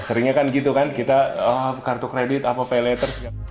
seringnya kan gitu kan kita kartu kredit apa pay later segala